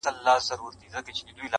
د بېوفا لفظونه راوړل~